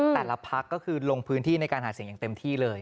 แต่ละพักก็คือลงพื้นที่ในการหาเสียงอย่างเต็มที่เลย